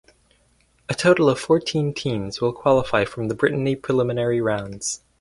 A total of fourteen teams will qualify from the Brittany preliminary rounds.